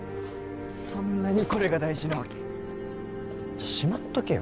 そんなにこれが大事なわけ？じゃしまっとけよ